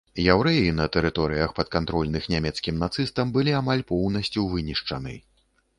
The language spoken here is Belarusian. Яўрэі на тэрыторыях, падкантрольных нямецкім нацыстам, былі амаль поўнасцю вынішчаны.